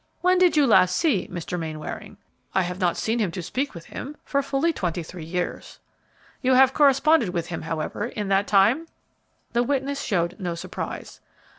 "When did you last see Mr. Mainwaring?" "I have not seen him to speak with him for fully twenty three years." "You have corresponded with, him, however, in that time?" The witness showed no surprise.